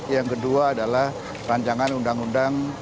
yang kedua adalah rancangan undang undang